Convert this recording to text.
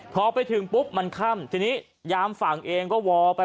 พอไปถึงปุ๊บมันค่ำทีนี้ยามฝั่งเองก็วอลไป